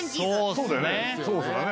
そうだよね。